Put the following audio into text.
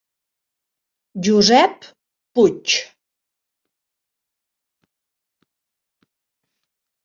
Josep Puig.